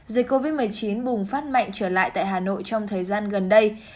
dịch covid một mươi chín bùng phát mạnh trở lại tại hà nội trong thời gian gần đây